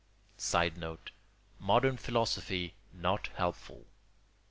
[Sidenote: Modern philosophy not helpful.